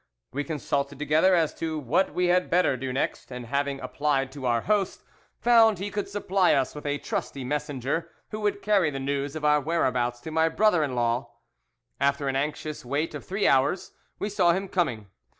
We consulted together as to what we had better do next, and having applied to our host, found he could supply us with a trusty messenger, who would carry the news of our whereabouts to my brother in law. After an anxious wait of three hours, we saw him coming.